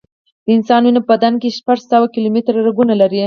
د انسان وینه په بدن کې شپږ سوه کیلومټره رګونه لري.